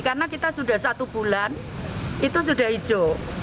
karena kita sudah satu bulan itu sudah hijau